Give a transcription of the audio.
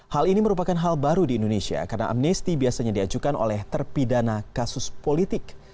hal ini merupakan hal baru di indonesia karena amnesti biasanya diajukan oleh terpidana kasus politik